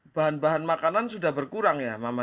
bahan bahan makanan sudah berkurang ya mama